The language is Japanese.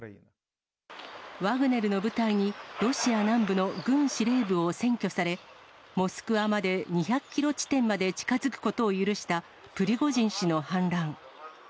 ワグネルの部隊にロシア南部の軍司令部を占拠され、モスクワまで２００キロ地点まで近づくことを許したプリゴジン氏の反乱。